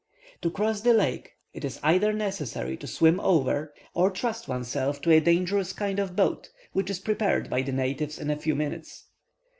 To cross the lake, it is either necessary to swim over or trust oneself to a dangerous kind of boat, which is prepared by the natives in a few minutes.